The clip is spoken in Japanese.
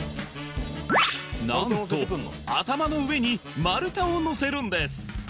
何と頭の上に丸太をのせるんです！